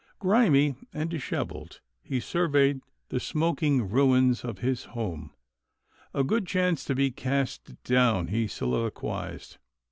Grimy and dishevelled, he surveyed the smok ing ruins of his home. " A good chance to be cast down," he soliloquized.